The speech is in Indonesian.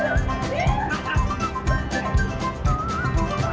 nah sekarang saatnya kita lihat nih si sarah beraksi